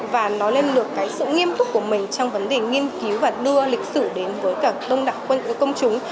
và nói lên được cái sự nghiêm túc của mình trong vấn đề nghiên cứu và đưa lịch sử đến với cả đông đảng quân công chúng